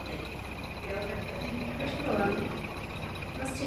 Je jeden z prvních vyhlášených památných stromů v Praze.